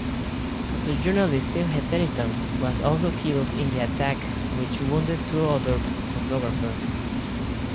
Photojournalist Tim Hetherington was also killed in the attack, which wounded two other photographers.